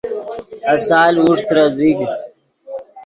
آسال اوݰ ترے زیگ